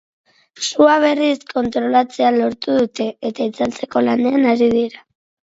Sua berriz kontrolatzea lortu dute, eta itzaltzeko lanean ari dira.